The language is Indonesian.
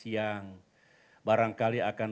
yang barangkali akan